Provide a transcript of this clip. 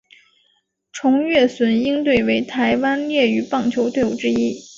崇越隼鹰队为台湾业余棒球队伍之一。